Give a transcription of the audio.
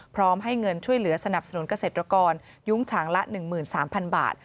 พร้อมให้เงินช่วยเหลือสนับสนุนเกษตรกรยุ้งฉางละ๑๓๐๐๐บาท